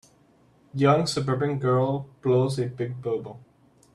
Young, suburban girl blows a big bubble.